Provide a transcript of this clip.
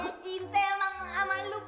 eh cinte emang amat lu mpok